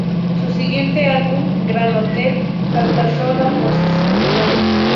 Su siguiente álbum, "Grand Hotel", alcanzó la posición No.